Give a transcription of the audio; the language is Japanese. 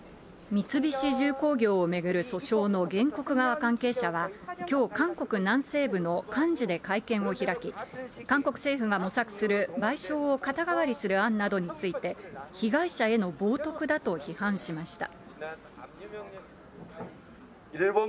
三菱重工業を巡る訴訟の原告側関係者は、きょう、韓国南西部のカンジュで会見を開き、韓国政府が模索する賠償を肩代わりする案などについて、被害者への冒とくだと批判しました。